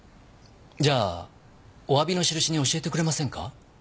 じゃあお詫びのしるしに教えてくれませんか？